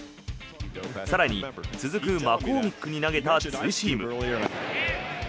更に、続くマコーミックに投げたツーシーム。